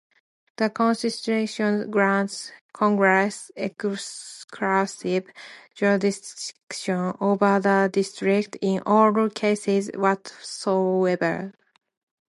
The Constitution grants Congress exclusive jurisdiction over the District in all cases whatsoever.